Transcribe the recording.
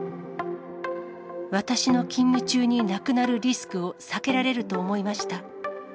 私の勤務中に亡くなるリスクを避けられると思いました。